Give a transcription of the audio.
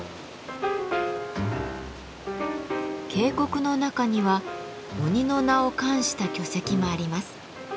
渓谷の中には鬼の名を冠した巨石もあります。